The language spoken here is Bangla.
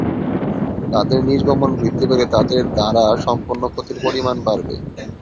তাদের নির্গমন বৃদ্ধি পেলে তাদের দ্বারা সম্পন্ন ক্ষতির পরিমাণ বাড়বে।